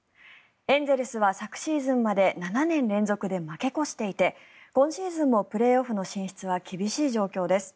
エンゼルスは昨シーズンまで７年連続で負け越していて今シーズンもプレーオフの進出は厳しい状況です。